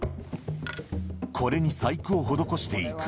これに細工を施していく。